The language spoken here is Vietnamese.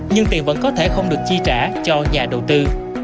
nhưng tiền vẫn có thể không được chi trả cho nhà đầu tư